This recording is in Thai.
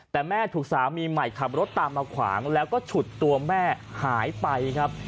แต่แม่ถูกสามีใหม่ขับรถตามมาขวางแล้วก็ฉุดตัวแม่หายไปครับ